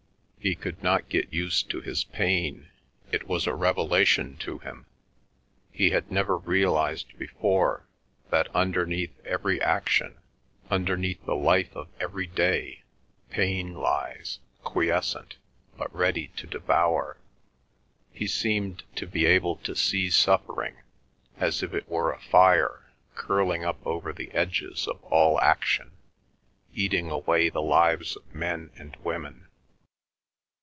He could not get used to his pain, it was a revelation to him. He had never realised before that underneath every action, underneath the life of every day, pain lies, quiescent, but ready to devour; he seemed to be able to see suffering, as if it were a fire, curling up over the edges of all action, eating away the lives of men and women.